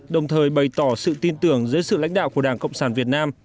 đồng thời bày tỏ sự tin tưởng dưới sự lãnh đạo của đảng cộng sản việt nam